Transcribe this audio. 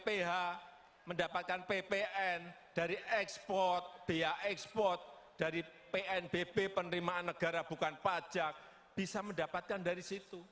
negara yang mendapatkan pph mendapatkan ppn dari ekspor biaya ekspor dari pnbb penerimaan negara bukan pajak bisa mendapatkan dari situ